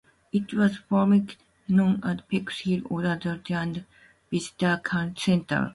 It was formerly known as Pex Hill Observatory and Visitors' Centre.